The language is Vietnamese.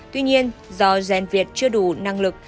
tuy nhiên do gen việt chưa đủ năng lực